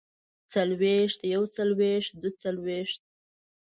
څلوېښت يوڅلوېښت دوه څلوېښت